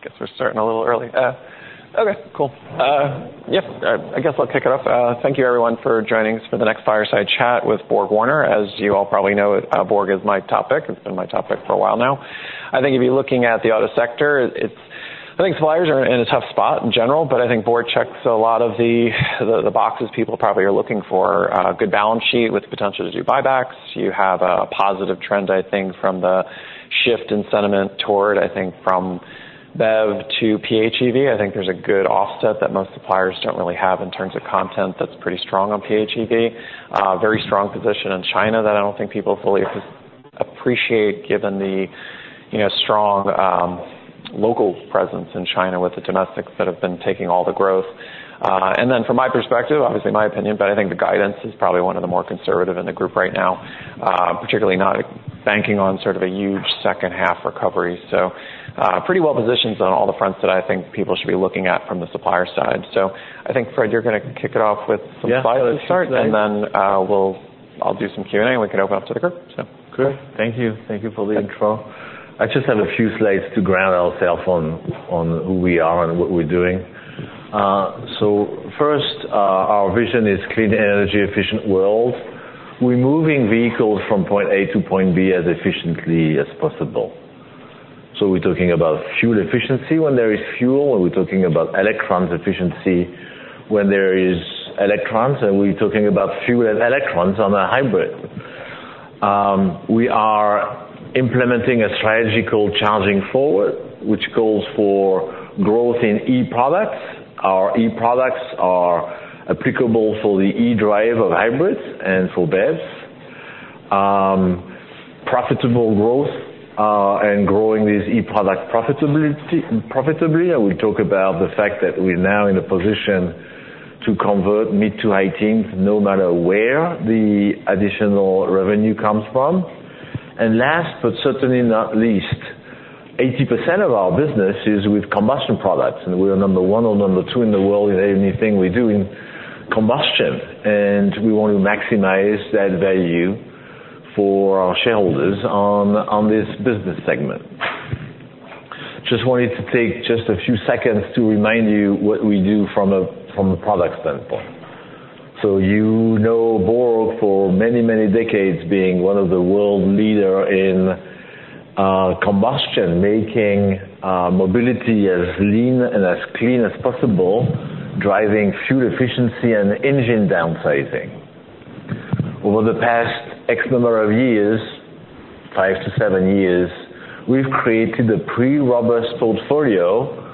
I guess we're starting a little early. Okay, cool. I guess I'll kick it off. Thank you everyone for joining us for the next Fireside Chat with BorgWarner. As you all probably know, Borg is my topic. It's been my topic for a while now. I think if you're looking at the auto sector, I think suppliers are in a tough spot in general, but I think Borg checks a lot of the boxes people probably are looking for. Good balance sheet with potential to do buybacks. You have a positive trend, I think, from the shift in sentiment toward, I think, from BEV to PHEV. I think there's a good offset that most suppliers don't really have in terms of content that's pretty strong on PHEV. Very strong position in China that I don't think people fully appreciate, given the, you know, strong, local presence in China with the domestics that have been taking all the growth. And then from my perspective, obviously my opinion, but I think the guidance is probably one of the more conservative in the group right now, particularly not banking on sort of a huge second half recovery. So, pretty well positioned on all the fronts that I think people should be looking at from the supplier side. So I think, Fred, you're gonna kick it off with some slides to start- Yeah, let's start. - and then, we'll... I'll do some Q&A, and we can open up to the group. So. Good. Thank you. Thank you for the intro. I just have a few slides to ground ourselves on, on who we are and what we're doing. So first, our vision is clean energy, efficient world. We're moving vehicles from point A to point B as efficiently as possible. So we're talking about fuel efficiency when there is fuel, and we're talking about electron efficiency when there is electrons, and we're talking about fuel and electrons on a hybrid. We are implementing a strategy called Charging Forward, which calls for growth in e-products. Our e-products are applicable for the e-drive of hybrids and for BEVs. Profitable growth, and growing these e-product profitability, profitably. I will talk about the fact that we're now in a position to convert mid to high teens, no matter where the additional revenue comes from. Last, but certainly not least, 80% of our business is with combustion products, and we are number one or number two in the world in anything we do in combustion, and we want to maximize that value for our shareholders on this business segment. Just wanted to take just a few seconds to remind you what we do from a product standpoint. So you know Borg for many, many decades being one of the world leader in combustion, making mobility as lean and as clean as possible, driving fuel efficiency and engine downsizing. Over the past X number of years, five to seven years, we've created a pretty robust portfolio,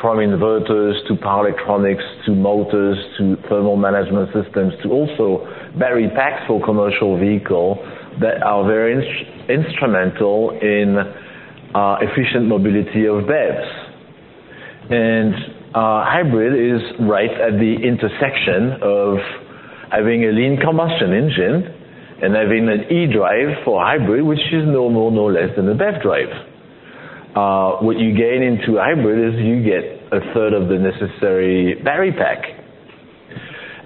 from inverters, to power electronics, to motors, to thermal management systems, to also battery packs for commercial vehicle, that are very instrumental in efficient mobility of BEVs. Hybrid is right at the intersection of having a lean combustion engine and having an e-drive for hybrid, which is no more, no less than a BEV drive. What you gain into hybrid is you get a third of the necessary battery pack.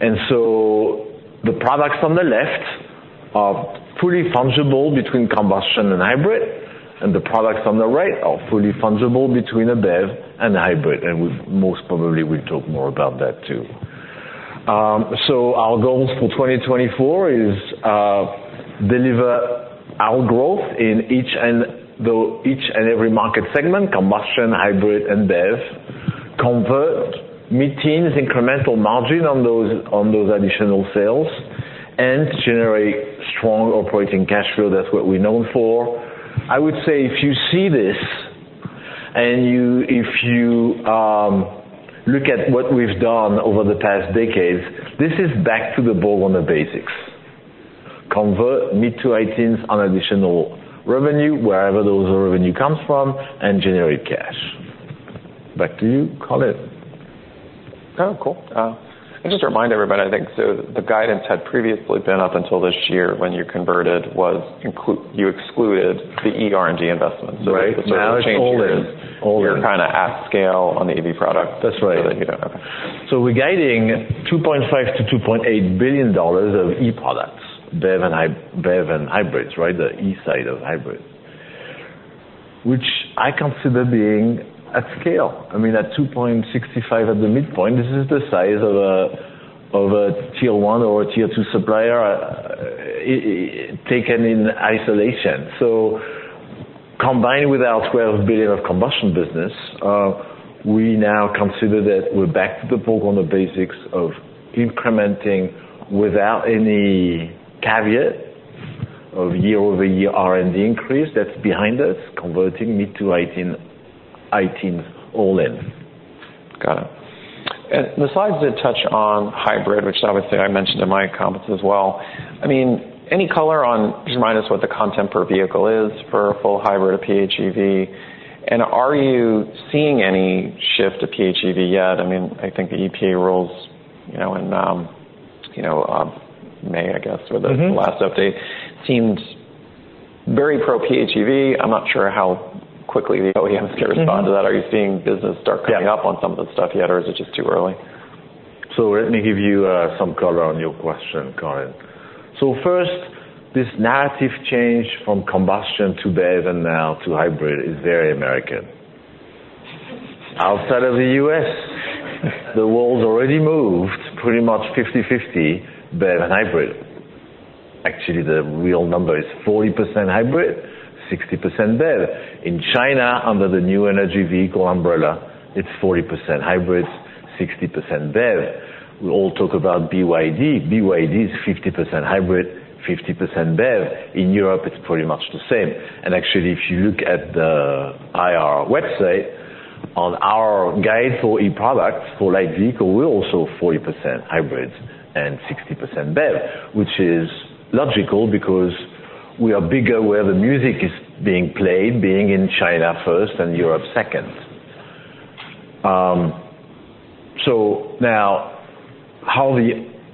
And so the products on the left are fully fungible between combustion and hybrid, and the products on the right are fully fungible between a BEV and a hybrid, and we most probably will talk more about that, too. So our goals for 2024 is, deliver outgrowth in each and to, each and every market segment, combustion, hybrid, and BEV. Convert mid-teens incremental margin on those, on those additional sales. And generate strong operating cash flow. That's what we're known for. I would say, if you see this, if you look at what we've done over the past decades, this is back to the BorgWarner basics: convert mid- to high-teens on additional revenue, wherever those revenue comes from, and generate cash. Back to you, Colin. Oh, cool. And just to remind everybody, I think, so the guidance had previously been up until this year when you converted, you excluded the eR&D investments. Right. So Now it's all in. All in. You're kind of at scale on the EV product? That's right. So that, you know. Okay. So we're guiding $2.5 billion-$2.8 billion of e-products, BEV and hybrids, right? The e side of hybrids. Which I consider being at scale. I mean, at $2.65 billion at the midpoint, this is the size of a, of a tier one or a tier two supplier, taken in isolation. So combined with our $12 billion of combustion business, we now consider that we're back to the BorgWarner basics of incrementing without any caveat of year-over-year R&D increase. That's behind us, converting mid to high-teen, high-teens, all in. Got it. And the slides did touch on hybrid, which obviously I mentioned in my comments as well. I mean, any color on, just remind us what the content per vehicle is for a full hybrid or PHEV, and are you seeing any shift to PHEV yet? I mean, I think the EPA rules, you know, in, you know, May, I guess... Mm-hmm... was the last update, seemed very pro PHEV. I'm not sure how quickly the OEMs- Mm-hmm Can respond to that. Are you seeing business start coming up- Yeah on some of the stuff yet, or is it just too early? ...So let me give you some color on your question, Colin. So first, this narrative change from combustion to BEV and now to hybrid is very American. Outside of the U.S., the world's already moved pretty much 50/50 BEV and hybrid. Actually, the real number is 40% hybrid, 60% BEV. In China, under the new energy vehicle umbrella, it's 40% hybrids, 60% BEV. We all talk about BYD. BYD is 50% hybrid, 50% BEV. In Europe, it's pretty much the same. Actually, if you look at the IR website, on our guide for e-products, for light vehicle, we're also 40% hybrids and 60% BEV, which is logical because we are bigger where the music is being played, being in China first and Europe second. So now, how the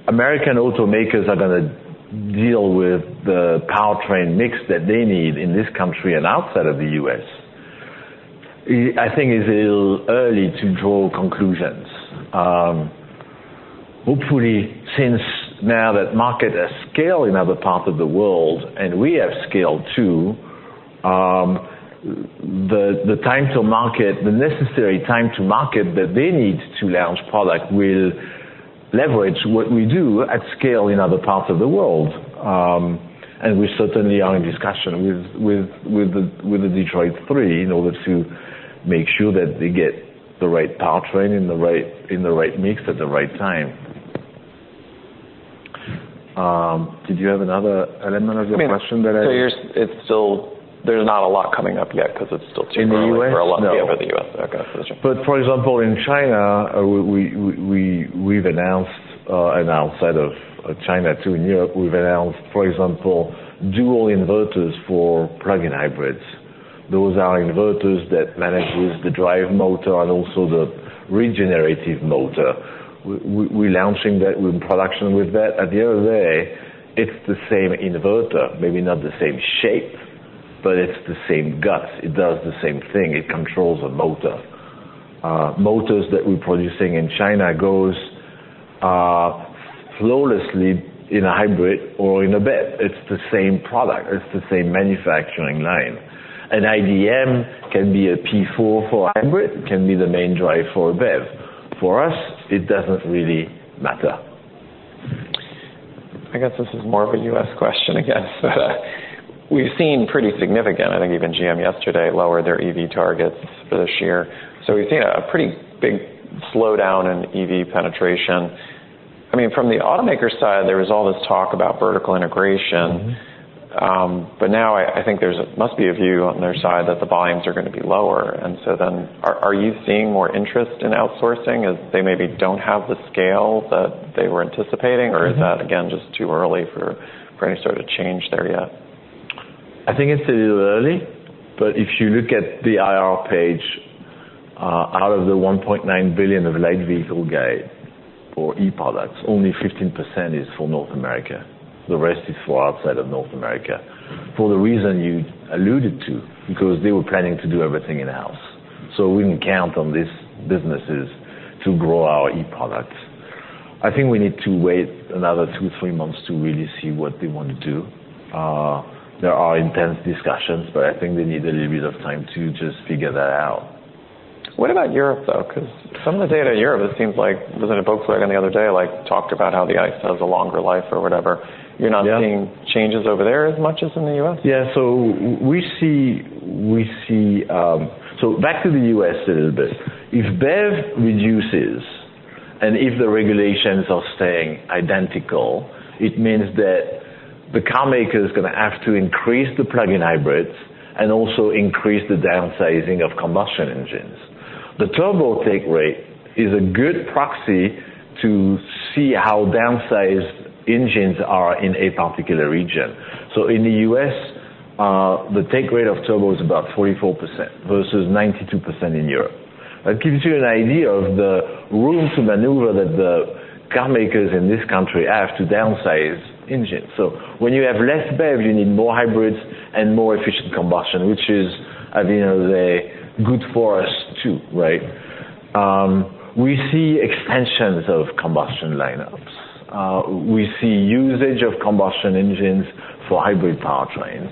American automakers are gonna deal with the powertrain mix that they need in this country and outside of the U.S., I think is a little early to draw conclusions. Hopefully, since now that market has scale in other parts of the world, and we have scale, too, the time to market, the necessary time to market that they need to launch product will leverage what we do at scale in other parts of the world. And we certainly are in discussion with the Detroit Three in order to make sure that they get the right powertrain in the right mix at the right time. Did you have another element of your question that I didn't- So it's still... There's not a lot coming up yet because it's still too early. In the U.S.? -for a lot of the over the U.S. Okay. But for example, in China, we've announced, and outside of China, too, in Europe, we've announced, for example, dual inverters for plug-in hybrids. Those are inverters that manage with the drive motor and also the regenerative motor. We're launching that. We're in production with that. At the end of the day, it's the same inverter, maybe not the same shape, but it's the same guts. It does the same thing. It controls the motor. Motors that we're producing in China goes flawlessly in a hybrid or in a BEV. It's the same product. It's the same manufacturing line. An iDM can be a P4 for a hybrid, can be the main drive for a BEV. For us, it doesn't really matter. I guess this is more of a U.S. question, I guess. We've seen pretty significant, I think even GM yesterday lowered their EV targets for this year. So we've seen a pretty big slowdown in EV penetration. I mean, from the automaker side, there was all this talk about vertical integration. Mm-hmm. But now I think there must be a view on their side that the volumes are gonna be lower, and so then are you seeing more interest in outsourcing as they maybe don't have the scale that they were anticipating? Mm-hmm. Or is that, again, just too early for any sort of change there yet? I think it's a little early, but if you look at the IR page, out of the $1.9 billion of light vehicle guide for e-products, only 15% is for North America. The rest is for outside of North America. For the reason you alluded to, because they were planning to do everything in-house, so we didn't count on these businesses to grow our e-products. I think we need to wait another two, three months to really see what they want to do. There are intense discussions, but I think they need a little bit of time to just figure that out. What about Europe, though? Because some of the data in Europe, it seems like, I was reading a book the other day, like, talked about how the ICE has a longer life or whatever. Yeah. You're not seeing changes over there as much as in the U.S.? Yeah. So we see. So back to the U.S. a little bit. If BEV reduces, and if the regulations are staying identical, it means that the carmaker is gonna have to increase the plug-in hybrids and also increase the downsizing of combustion engines. The turbo take rate is a good proxy to see how downsized engines are in a particular region. So in the U.S., the take rate of turbo is about 44% versus 92% in Europe. That gives you an idea of the room to maneuver that the carmakers in this country have to downsize engines. So when you have less BEV, you need more hybrids and more efficient combustion, which is, at the end of the day, good for us, too, right? We see extensions of combustion lineups. We see usage of combustion engines for hybrid powertrains.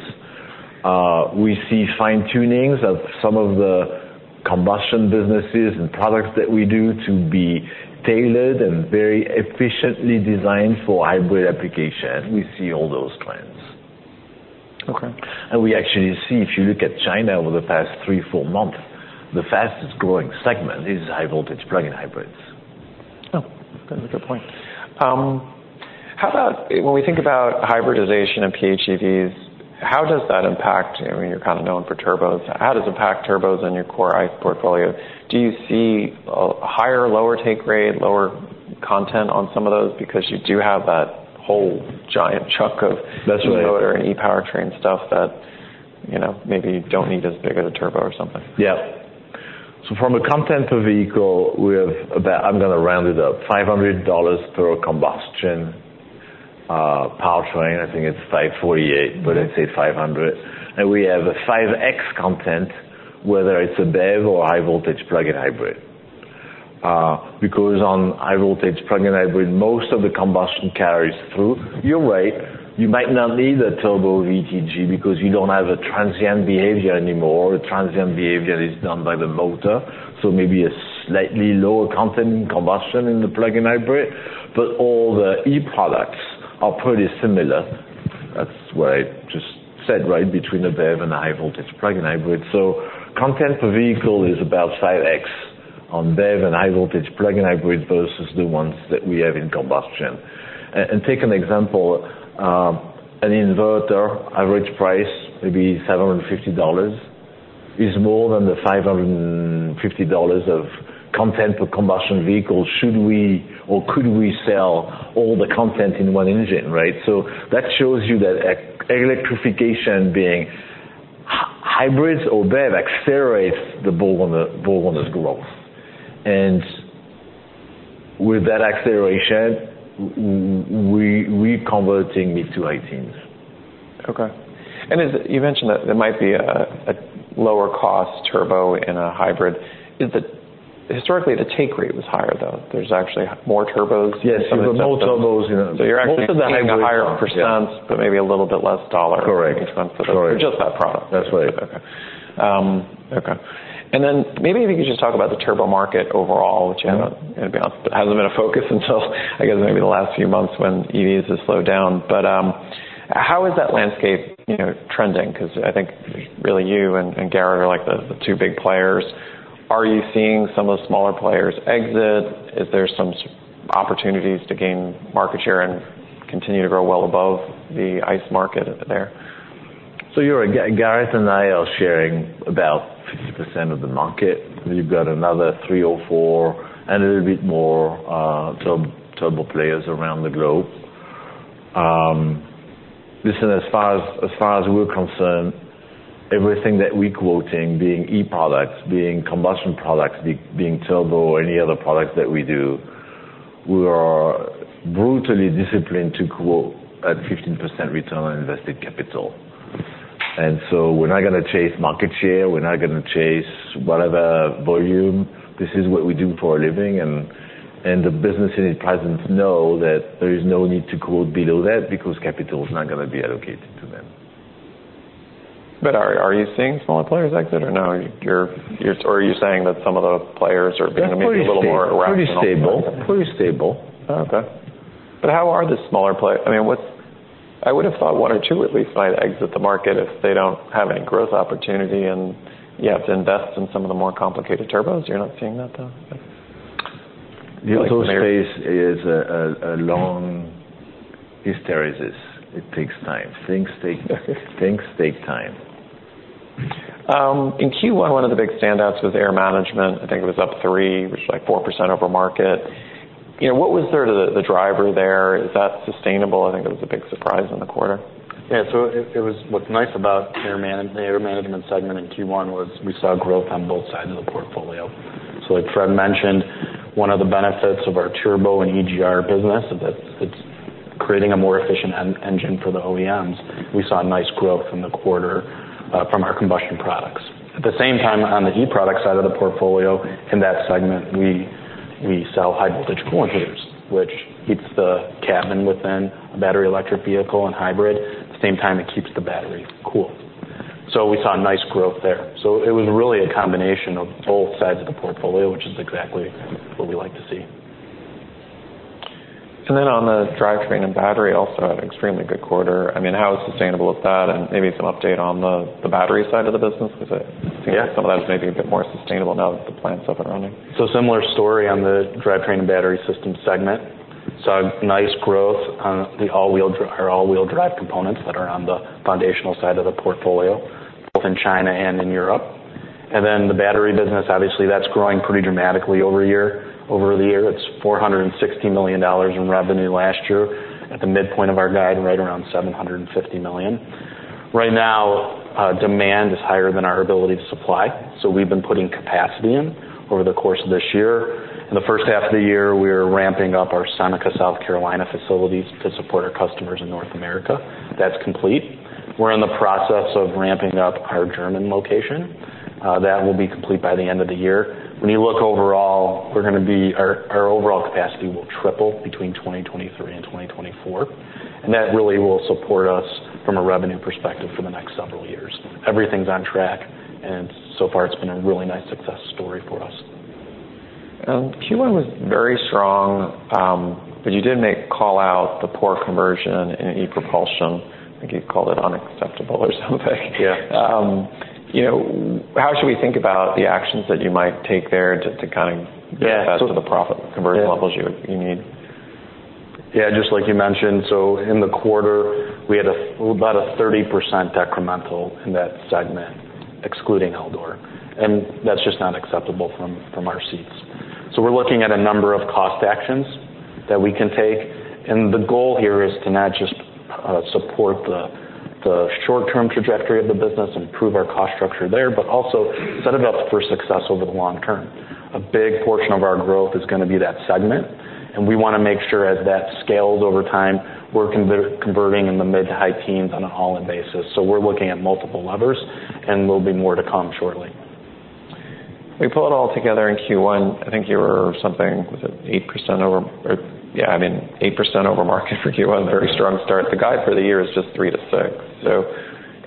We see fine-tunings of some of the combustion businesses and products that we do to be tailored and very efficiently designed for hybrid application. We see all those trends. Okay. We actually see, if you look at China over the past three to four months, the fastest-growing segment is high-voltage plug-in hybrids. Oh, that's a good point. How about... When we think about hybridization of PHEVs, how does that impact, I mean, you're kind of known for turbos, how does it impact turbos on your core ICE portfolio? Do you see a higher or lower take rate, lower content on some of those? Because you do have that whole giant chunk of- That's right... motor and e-powertrain stuff that, you know, maybe you don't need as big of a turbo or something. Yeah. So from a content of vehicle, we have about, I'm gonna round it up, $500 per combustion powertrain, I think it's $548, but let's say $500. And we have a 5x content, whether it's a BEV or high-voltage plug-in hybrid. Because on high-voltage plug-in hybrid, most of the combustion carries through. You're right, you might not need a turbo VTG because you don't have a transient behavior anymore. The transient behavior is done by the motor, so maybe a slightly lower content in combustion in the plug-in hybrid, but all the e-products are pretty similar. That's what I just said, right? Between a BEV and a high-voltage plug-in hybrid. So content per vehicle is about 5x on BEV and high-voltage plug-in hybrid versus the ones that we have in combustion. And take an example, an inverter, average price, maybe $750, is more than the $550 of content per combustion vehicle, should we or could we sell all the content in one engine, right? So that shows you that electrification being hybrids or BEV accelerates the ball on this growth. And with that acceleration, we're converting mid- to high-teens. Okay. And as you mentioned, that there might be a lower cost turbo in a hybrid. Is the historically, the take rate was higher, though. There's actually more turbos? Yes, even more turbos, you know- So you're actually paying a higher percent- Yeah. but maybe a little bit less dollar. Correct. Makes sense. Correct. For just that product. That's right. Okay. Okay. And then maybe if you could just talk about the turbo market overall, which I know- Yeah It hasn't been a focus until I guess maybe the last few months when EVs have slowed down. But how is that landscape, you know, trending? Because I think really you and Garrett are, like, the two big players. Are you seeing some of the smaller players exit? Is there some opportunities to gain market share and continue to grow well above the ICE market there? So you're right. Garrett and I are sharing about 50% of the market. We've got another three or four, and a little bit more, turbo players around the globe. Listen, as far as, as far as we're concerned, everything that we're quoting, being e-products, being combustion products, being turbo, or any other products that we do, we are brutally disciplined to quote at 15% return on invested capital. And so we're not gonna chase market share, we're not gonna chase whatever volume. This is what we do for a living, and, and the business in the present know that there is no need to quote below that, because capital is not gonna be allocated to them. But are you seeing smaller players exit or no? You're -- or are you saying that some of the players are being maybe a little more aggressive? Pretty stable. Pretty stable. Oh, okay. But how are the smaller players... I mean, what's-- I would have thought one or two, at least, might exit the market if they don't have any growth opportunity, and you have to invest in some of the more complicated turbos. You're not seeing that, though? The auto space is a long hysteresis. It takes time. Things take time. In Q1, one of the big standouts was Air Management. I think it was up three, which is, like, 4% over market. You know, what was sort of the driver there? Is that sustainable? I think it was a big surprise in the quarter. Yeah, so it was what's nice about the Air Management segment in Q1, was we saw growth on both sides of the portfolio. So like Fred mentioned, one of the benefits of our turbo and EGR business, is that it's creating a more efficient engine for the OEMs. We saw a nice growth from the quarter from our combustion products. At the same time, on the e-product side of the portfolio, in that segment, we sell high voltage coolants, which heats the cabin within a battery electric vehicle and hybrid, at the same time, it keeps the battery cool. So we saw a nice growth there. So it was really a combination of both sides of the portfolio, which is exactly what we like to see. Then on the drivetrain and battery, also an extremely good quarter. I mean, how sustainable is that? And maybe some update on the battery side of the business, because I- Yeah... some of that is maybe a bit more sustainable now that the plant's up and running. So similar story on the drivetrain and battery system segment. Saw nice growth on our all-wheel drive components that are on the foundational side of the portfolio, both in China and in Europe. And then the battery business, obviously, that's growing pretty dramatically year-over-year. It's $460 million in revenue last year, at the midpoint of our guide, right around $750 million. Right now, demand is higher than our ability to supply, so we've been putting capacity in over the course of this year. In the first half of the year, we were ramping up our Seneca, South Carolina facilities to support our customers in North America. That's complete. We're in the process of ramping up our German location. That will be complete by the end of the year. When you look overall, we're gonna be, our, our overall capacity will triple between 2023 and 2024, and that really will support us from a revenue perspective for the next several years. Everything's on track, and so far, it's been a really nice success story for us. Q1 was very strong, but you did make call out the poor conversion in e-propulsion. I think you called it unacceptable or something. Yeah. You know, how should we think about the actions that you might take there to kind of- Yeah Get back to the profit conversion levels you need? Yeah, just like you mentioned, so in the quarter, we had about a 30% decremental in that segment, excluding Eldor, and that's just not acceptable from our seats. So we're looking at a number of cost actions that we can take, and the goal here is to not just support the short-term trajectory of the business, improve our cost structure there, but also set it up for success over the long term. A big portion of our growth is gonna be that segment, and we wanna make sure as that scales over time, we're converting in the mid- to high teens on all-in basis. So we're looking at multiple levers, and there'll be more to come shortly. We pull it all together in Q1, I think you were something, was it 8% over - or yeah, I mean, 8% over market for Q1, very strong start. The guide for the year is just 3%-6%. So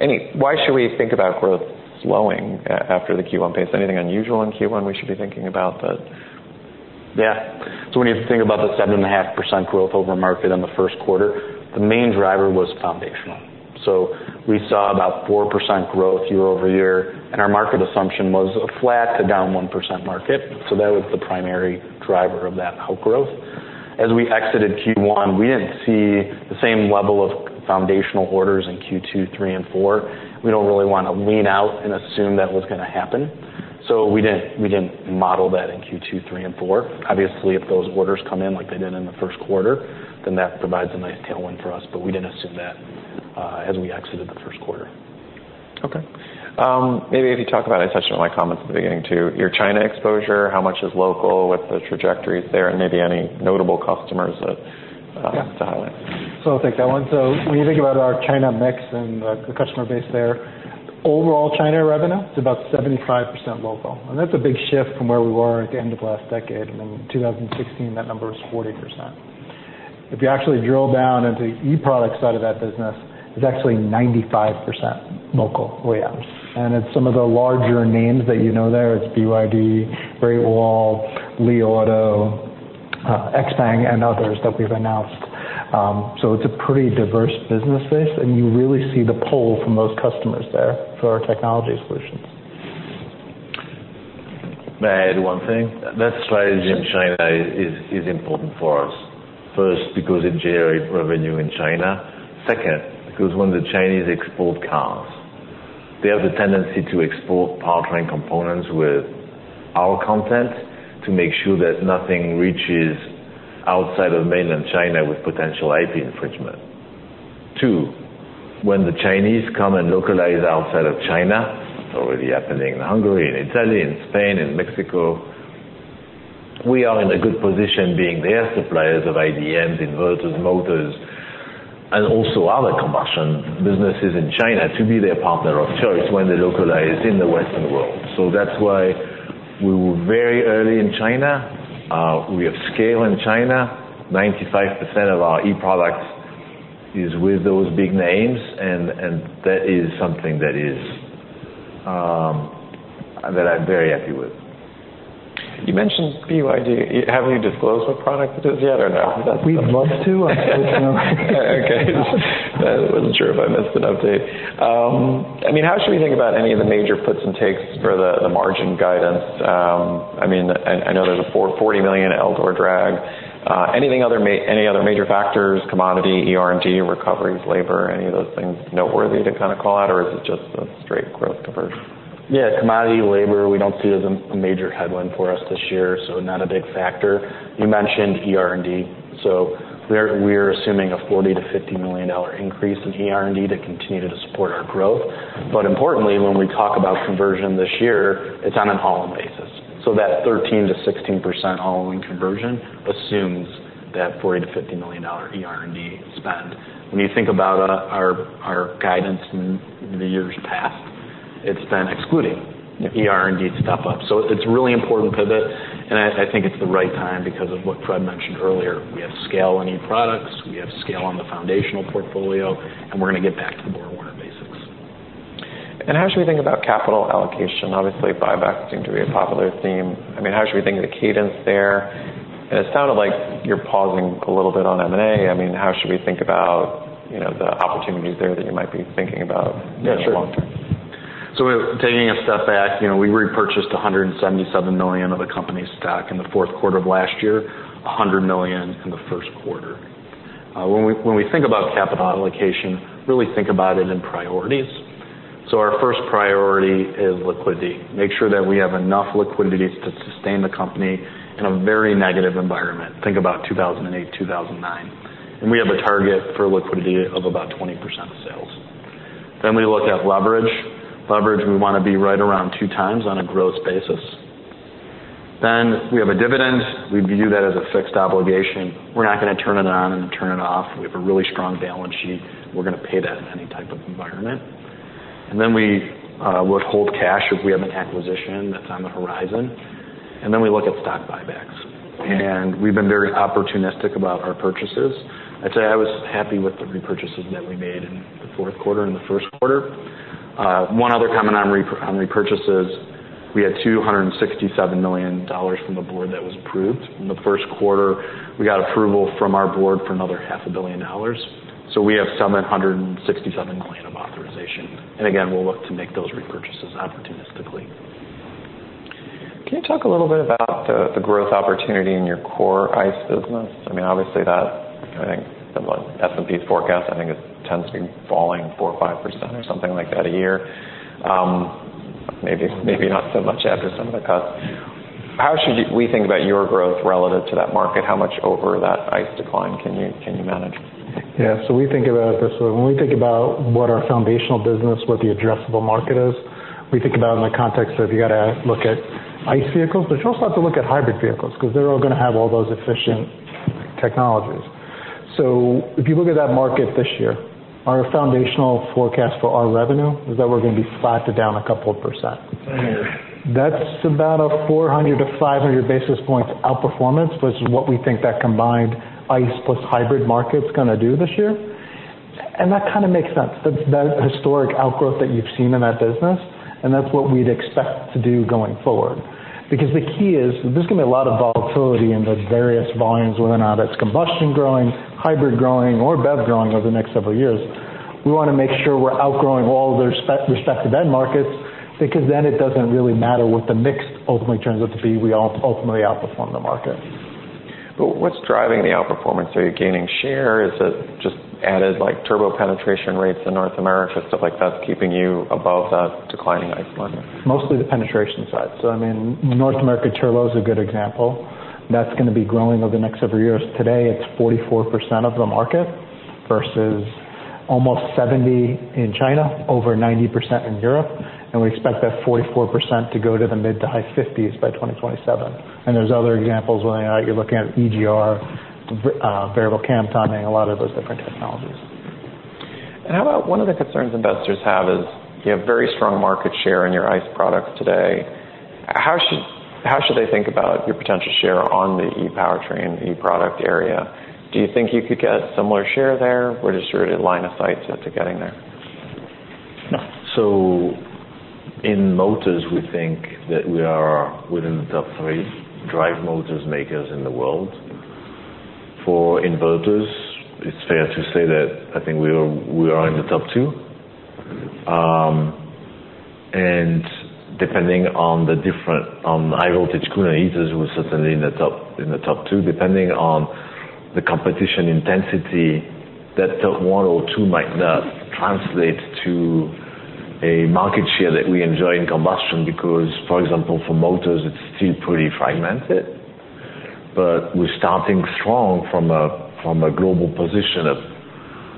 any - why should we think about growth slowing a - after the Q1 pace? Anything unusual in Q1 we should be thinking about that? Yeah. So when you think about the 7.5% growth over market in the first quarter, the main driver was foundational. So we saw about 4% growth year-over-year, and our market assumption was a flat to down 1% market, so that was the primary driver of that outgrowth. As we exited Q1, we didn't see the same level of foundational orders in Q2, Q3, and Q4. We don't really wanna lean out and assume that was gonna happen, so we didn't, we didn't model that in Q2, Q3, and Q4. Obviously, if those orders come in like they did in the first quarter, then that provides a nice tailwind for us, but we didn't assume that as we exited the first quarter. Okay. Maybe if you talk about, I touched on my comments at the beginning, too, your China exposure, how much is local, what the trajectory is there, and maybe any notable customers that- Yeah. To highlight. So I'll take that one. So when you think about our China mix and the customer base there, overall China revenue, it's about 75% local. And that's a big shift from where we were at the end of last decade. In 2016, that number was 40%. If you actually drill down into the e-product side of that business, it's actually 95% local OEMs. And it's some of the larger names that you know there, it's BYD, Great Wall, Li Auto, XPeng, and others that we've announced. So it's a pretty diverse business base, and you really see the pull from those customers there for our technology solutions. May I add one thing? That strategy in China is important for us. First, because it generates revenue in China. Second, because when the Chinese export cars, they have a tendency to export powertrain components with our content to make sure that nothing reaches outside of mainland China with potential IP infringement. Two, when the Chinese come and localize outside of China, it's already happening in Hungary, in Italy, in Spain, in Mexico, we are in a good position being their suppliers of IDMs, inverters, motors, and also other combustion businesses in China to be their partner of choice when they localize in the Western world. So that's why we were very early in China. We have scale in China. 95% of our e-products is with those big names, and that is something that I'm very happy with. You mentioned BYD. Have you disclosed what product it is yet, or no? We'd love to, but no. Okay. I wasn't sure if I missed an update. I mean, how should we think about any of the major puts and takes for the margin guidance? I mean, I know there's a $440 million headwind drag. Any other major factors, commodity, eR&D, recoveries, labor, any of those things noteworthy to kind of call out, or is it just a straight growth conversion? Yeah, commodity, labor, we don't see as a major headline for us this year, so not a big factor. You mentioned eR&D. So we're, we're assuming a $40 million-$50 million increase in eR&D to continue to support our growth. But importantly, when we talk about conversion this year, it's on a all-in basis. So that 13%-16% all-in conversion assumes that $40 million-$50 million eR&D spend. When you think about our, our guidance in the years past, it's been excluding the eR&D step-up. So it's really important for the... And I, I think it's the right time because of what Fred mentioned earlier. We have scale on e-products, we have scale on the foundational portfolio, and we're gonna get back to the BorgWarner basics. And how should we think about capital allocation? Obviously, buybacks seem to be a popular theme. I mean, how should we think of the cadence there? And it sounded like you're pausing a little bit on M&A. I mean, how should we think about, you know, the opportunities there that you might be thinking about— Yeah, sure. In the long term? So taking a step back, you know, we repurchased $177 million of the company's stock in the fourth quarter of last year, $100 million in the first quarter. When we think about capital allocation, really think about it in priorities. So our first priority is liquidity. Make sure that we have enough liquidity to sustain the company in a very negative environment. Think about 2008, 2009. And we have a target for liquidity of about 20% of sales. Then we look at leverage. Leverage, we wanna be right around 2x on a gross basis. Then we have a dividend. We view that as a fixed obligation. We're not gonna turn it on and turn it off. We have a really strong balance sheet. We're gonna pay that in any type of environment. And then we would hold cash if we have an acquisition that's on the horizon. And then we look at stock buybacks, and we've been very opportunistic about our purchases. I'd say I was happy with the repurchases that we made in the fourth quarter and the first quarter. One other comment on repurchases, we had $267 million from the board that was approved. In the first quarter, we got approval from our board for another $500 million. So we have $767 million of authorization. And again, we'll look to make those repurchases opportunistically. Can you talk a little bit about the growth opportunity in your core ICE business? I mean, obviously, that, I think, the S&P forecast, I think it tends to be falling 4% or 5% or something like that a year. Maybe, maybe not so much after some of the cuts... How should we think about your growth relative to that market? How much over that ICE decline can you manage? Yeah, so we think about it this way. When we think about what our foundational business, what the addressable market is, we think about it in the context of, you got to look at ICE vehicles, but you also have to look at hybrid vehicles, because they're all going to have all those efficient technologies. So if you look at that market this year, our foundational forecast for our revenue is that we're going to be flat to down a couple of %. That's about a 400-500 basis points outperformance, versus what we think that combined ICE plus hybrid market's gonna do this year. And that kind of makes sense. That's the historic outgrowth that you've seen in that business, and that's what we'd expect to do going forward. Because the key is, there's going to be a lot of volatility in the various volumes, whether or not it's combustion growing, hybrid growing, or BEV growing over the next several years. We want to make sure we're outgrowing all their respective end markets, because then it doesn't really matter what the mix ultimately turns out to be. We all ultimately outperform the market. But what's driving the outperformance? Are you gaining share? Is it just added, like, turbo penetration rates in North America, stuff like that's keeping you above that declining ICE market? Mostly the penetration side. So I mean, North America turbo is a good example. That's going to be growing over the next several years. Today, it's 44% of the market versus almost 70% in China, over 90% in Europe, and we expect that 44% to go to the mid- to high 50s by 2027. And there's other examples, whether or not you're looking at EGR, variable cam timing, a lot of those different technologies. How about one of the concerns investors have is, you have very strong market share in your ICE products today. How should they think about your potential share on the e-powertrain, e-product area? Do you think you could get similar share there? Or just sort of line of sight to getting there? So in motors, we think that we are within the top three drive motors makers in the world. For inverters, it's fair to say that I think we are, we are in the top two. And depending on the different, high voltage coolant heaters, we're certainly in the top, in the top two, depending on the competition intensity, that top one or two might not translate to a market share that we enjoy in combustion, because, for example, for motors, it's still pretty fragmented. But we're starting strong from a global position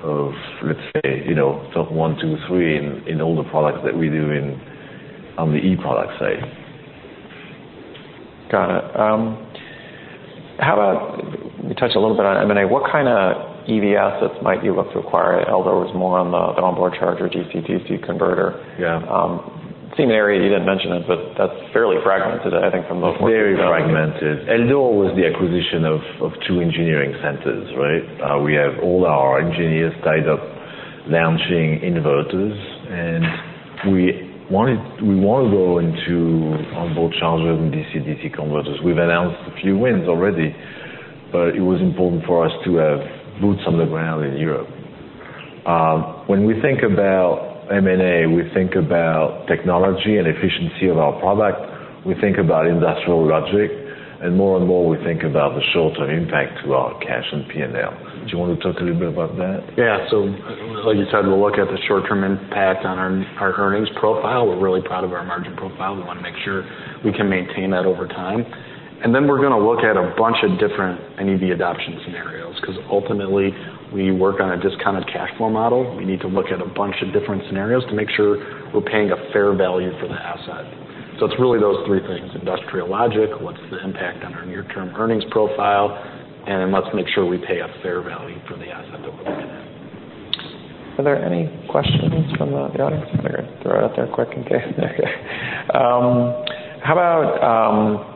of, let's say, you know, top one, two, three in all the products that we do in, on the e-product side. Got it. How about, you touched a little bit on M&A. What kind of EV assets might you look to acquire? Eldor is more on the onboard charger, DC-DC converter. Yeah. Same area, you didn't mention it, but that's fairly fragmented, I think, from the- Very fragmented. Eldor was the acquisition of two engineering centers, right? We have all our engineers tied up launching inverters, and we wanted- we want to go into onboard chargers and DC-DC converters. We've announced a few wins already, but it was important for us to have boots on the ground in Europe. When we think about M&A, we think about technology and efficiency of our product. We think about industrial logic, and more and more, we think about the short-term impact to our cash and P&L. Do you want to talk a little bit about that? Yeah. So like you said, we'll look at the short-term impact on our earnings profile. We're really proud of our margin profile. We want to make sure we can maintain that over time. And then we're gonna look at a bunch of different NEV adoption scenarios, because ultimately, we work on a discounted cash flow model. We need to look at a bunch of different scenarios to make sure we're paying a fair value for the asset. So it's really those three things: industrial logic, what's the impact on our near-term earnings profile, and let's make sure we pay a fair value for the asset that we're getting. Are there any questions from the audience? I'm going to throw it out there quick in case. How about,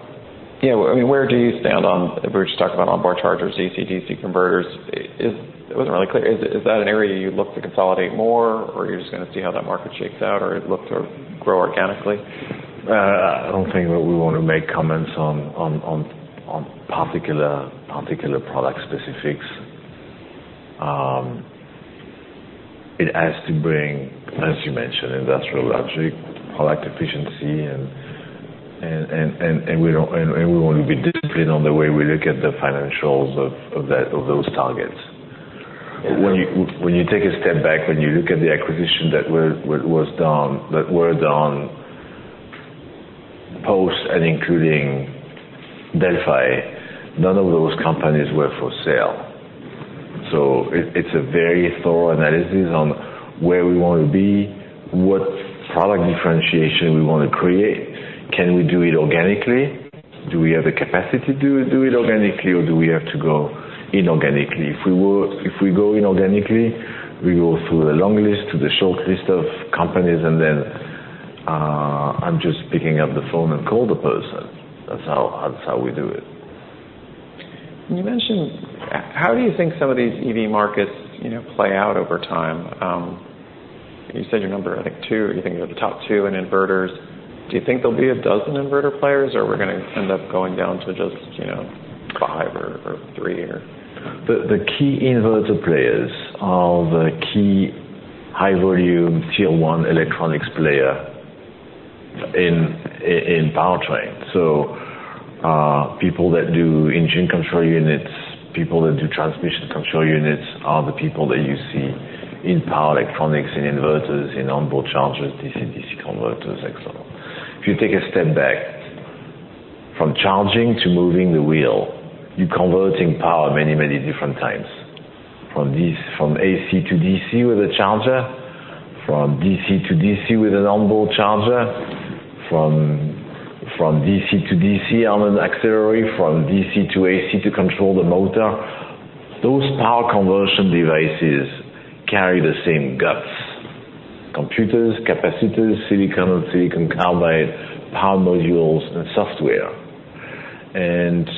you know, I mean, where do you stand on... We were just talking about onboard chargers, DC-DC converters. It wasn't really clear. Is, is that an area you look to consolidate more, or you're just gonna see how that market shakes out, or to look to grow organically? I don't think that we want to make comments on particular product specifics. It has to bring, as you mentioned, industrial logic, product efficiency, and we want to be disciplined on the way we look at the financials of those targets. When you take a step back, when you look at the acquisition that was done post and including Delphi, none of those companies were for sale. So it's a very thorough analysis on where we want to be, what product differentiation we want to create. Can we do it organically? Do we have the capacity to do it organically, or do we have to go inorganically? If we go inorganically, we go through a long list to the short list of companies, and then I'm just picking up the phone and call the person. That's how, that's how we do it. You mentioned... How do you think some of these EV markets, you know, play out over time? You said your number, I think, two. You think you're the top two in inverters. Do you think there'll be a dozen inverter players, or we're gonna end up going down to just, you know, five or, or three, or? The key inverter players are the key high volume Tier One electronics player in powertrain. So, people that do engine control units, people that do transmission control units, are the people that you see in power electronics, in inverters, in onboard chargers, DC/DC converters, et cetera. If you take a step back from charging to moving the wheel, you're converting power many, many different times. From AC to DC with a charger, from DC to DC with an onboard charger, from DC to DC on an auxiliary, from DC to AC to control the motor. Those power conversion devices carry the same guts: computers, capacitors, silicon, and silicon carbide, power modules, and software. And,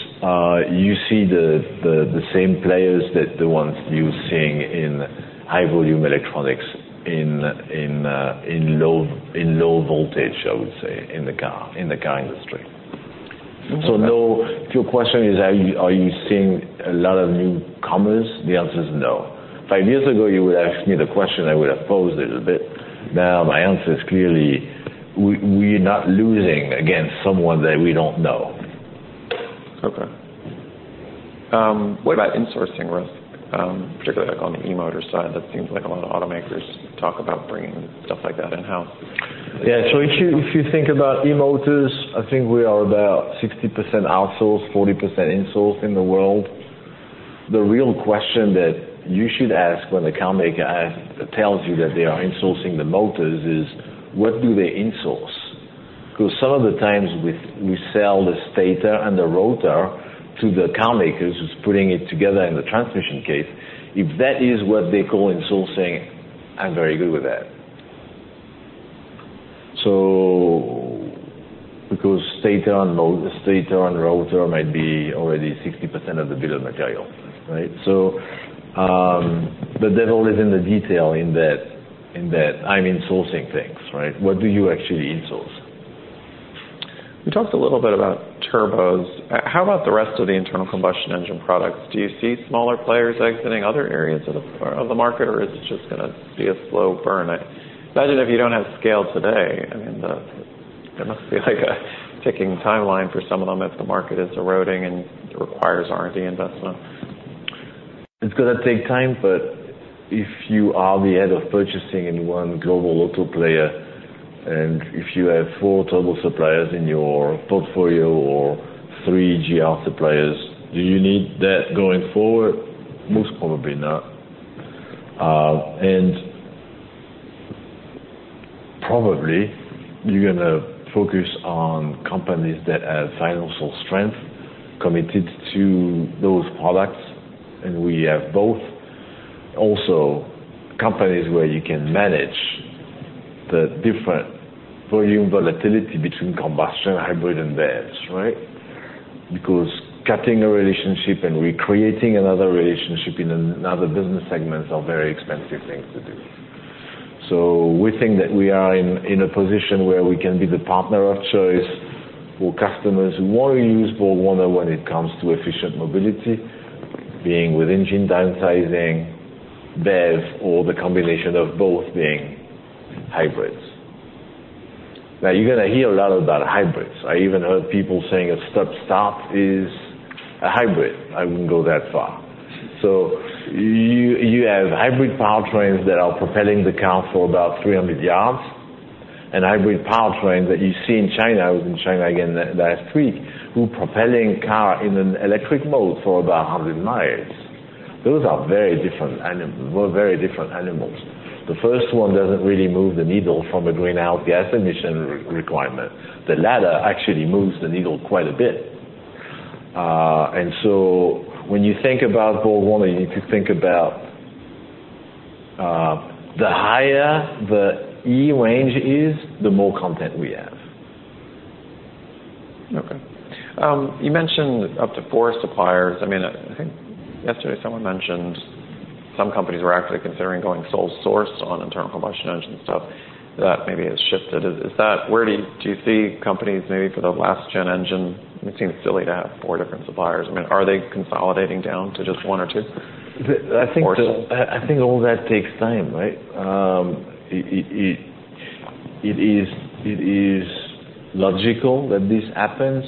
you see the same players that the ones you're seeing in high volume electronics in low voltage, I would say, in the car industry. So no, if your question is, are you seeing a lot of newcomers? The answer is no. Five years ago, you would ask me the question, I would have paused it a bit. Now, my answer is clearly, we're not losing against someone that we don't know. Okay. What about insourcing risk, particularly, like, on the e-motor side? That seems like a lot of automakers talk about bringing stuff like that in-house. Yeah. So if you think about e-motors, I think we are about 60% outsourced, 40% insourced in the world. The real question that you should ask when a car maker tells you that they are insourcing the motors is, what do they insource? 'Cause some of the times, we sell the stator and the rotor to the car makers, who's putting it together in the transmission case. If that is what they call insourcing, I'm very good with that. So because stator and rotor might be already 60% of the bill of material, right? So, the devil is in the detail in that I'm insourcing things, right? What do you actually insource? We talked a little bit about turbos. How about the rest of the internal combustion engine products? Do you see smaller players exiting other areas of the market, or is it just gonna be a slow burn? I imagine if you don't have scale today, I mean, it must be like a ticking timeline for some of them, if the market is eroding and requires R&D investment. It's gonna take time, but if you are the head of purchasing in one global auto player, and if you have four turbo suppliers in your portfolio or three EGR suppliers, do you need that going forward? Most probably not. And probably, you're gonna focus on companies that have financial strength committed to those products, and we have both. Also, companies where you can manage the different volume volatility between combustion, hybrid, and BEVs, right? Because cutting a relationship and recreating another relationship in another business segments are very expensive things to do. So we think that we are in a position where we can be the partner of choice for customers who wanna use BorgWarner when it comes to efficient mobility, being with engine downsizing, BEV, or the combination of both being hybrids. Now, you're gonna hear a lot about hybrids. I even heard people saying a stop-start is a hybrid. I wouldn't go that far. So you, you have hybrid powertrains that are propelling the car for about 300 yards, and hybrid powertrains that you see in China, I was in China again last week, who propelling car in an electric mode for about 100 miles. Those are very different animal... Very different animals. The first one doesn't really move the needle from a greenhouse gas emission requirement. The latter actually moves the needle quite a bit. And so when you think about BorgWarner, you need to think about, the higher the e-range is, the more content we have. Okay. You mentioned up to four suppliers. I mean, I think yesterday, someone mentioned some companies were actually considering going sole source on internal combustion engine stuff. That maybe has shifted. Is that- where do you... Do you see companies maybe for the last gen engine? It seems silly to have four different suppliers. I mean, are they consolidating down to just one or two? I think the- Or so. I think all that takes time, right? It is logical that this happens-